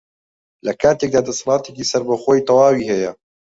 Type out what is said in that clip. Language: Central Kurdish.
لەکاتێکدا دەسەڵاتێکی سەربەخۆی تەواوی هەیە